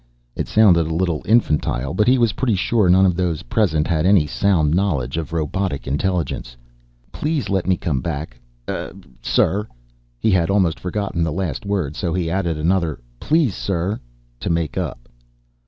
It sounded a little infantile, but he was pretty sure none of those present had any sound knowledge of robotic intelligence. "Please let me come back ... sir!" He had almost forgotten the last word, so he added another "Please, sir!" to make up.